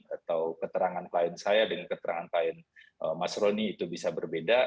atau keterangan klien saya dengan keterangan klien mas roni itu bisa berbeda